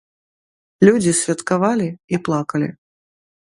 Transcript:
Людзі святкавалі і плакалі.